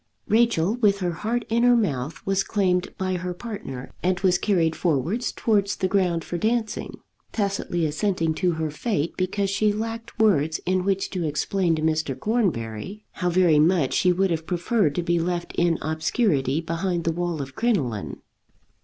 Rachel, with her heart in her mouth, was claimed by her partner, and was carried forward towards the ground for dancing, tacitly assenting to her fate because she lacked words in which to explain to Mr. Cornbury how very much she would have preferred to be left in obscurity behind the wall of crinoline.